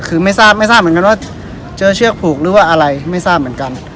คือไม่ทราบไม่ทราบเหมือนกันว่าเจอเชือกผูกหรือว่าอะไรไม่ทราบเหมือนกัน